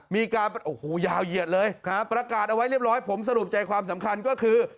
มีการโอ้โหยาวเหยียดเลยประกาศเอาไว้เรียบร้อยผมสรุปใจความสำคัญก็คือ